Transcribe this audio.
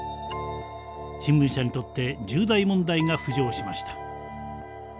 新聞社にとって重大問題が浮上しました。